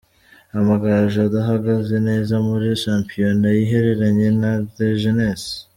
Amagaju adahagaze neza muri Shampiona, yihereranye la Jeunesse.